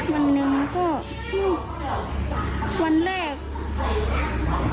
วันหนึ่งก็วันแรกอันเห็นออก